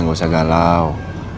gak usah galau